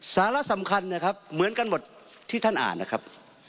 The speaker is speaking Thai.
สาระสำคัญนะครับเหมือนกันหมดที่ท่านอ่านนะครับ